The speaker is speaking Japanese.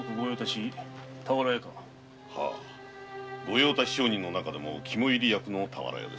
御用達商人の中でも肝いり役の田原屋です。